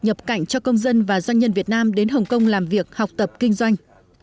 nhập cảnh cho công dân và doanh nhân việt nam đến hồng kông làm việc học tập kinh doanh